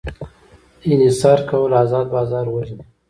انحصار کول ازاد بازار وژني.